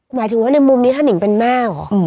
หมายถึงว่าในมุมนี้ถ้านิงเป็นแม่เหรอ